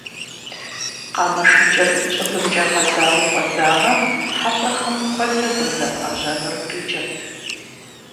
Къамышыкӏыр щӏыбымкӏэ гъэзауэ фӀэдзамэ, хьэщӀэхэм куэдрэ зэрызамыӏэжьэнур къикӏырт.